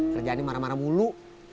kerjaan ini marah marah mulu